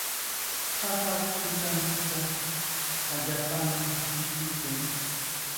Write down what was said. Haka pikantiqa allaapami mishkiykun.